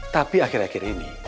tapi akhir akhir ini